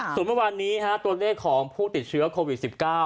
ส่วนเมื่อวานนี้ตัวเลขของผู้ติดเชื้อโควิด๑๙